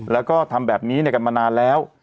แล้วก็ทำแบบนี้กันมานานแล้ว